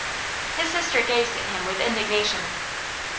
His sister gazed at him with indignation.